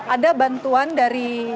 ada bantuan dari